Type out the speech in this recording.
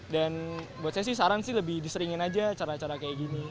dan buat saya sih saran sih lebih diseringin aja cara cara kayak gini